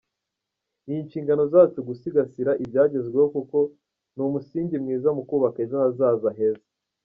Ni inshingano zacu gusigasira ibyagezweho kuko ni umusingi mwiza mu kubaka ejo hazaza heza.